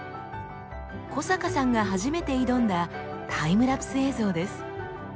小坂さんが初めて挑んだタイムラプス映像です。